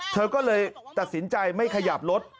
เธอก็เลยตัดสินใจไม่ขยับรถ